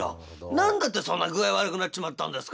何だってそんな具合悪くなっちまったんですか」。